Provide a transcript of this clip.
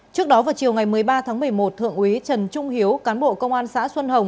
trước đó vào chiều ngày một mươi ba tháng một mươi một thượng úy trần trung hiếu cán bộ công an xã xuân hồng